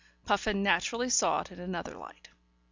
... Puffin naturally saw it in another light.